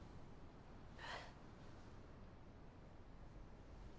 えっ？